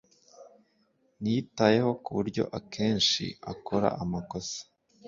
Ntiyitayeho kuburyo akenshi akora amakosa